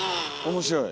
面白い。